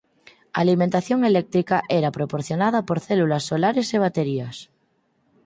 A alimentación eléctrica era proporcionada por células solares e baterías.